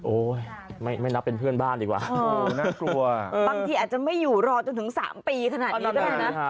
ไม่นับเป็นเพื่อนบ้านดีกว่าน่ากลัวบางทีอาจจะไม่อยู่รอจนถึง๓ปีขนาดนี้ก็ได้นะ